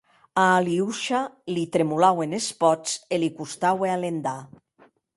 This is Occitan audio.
A Aliosha li tremolauen es pòts e li costaue alendar.